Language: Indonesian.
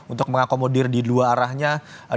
untuk mengakomodir di dua arahnya